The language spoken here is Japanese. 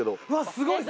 すごい！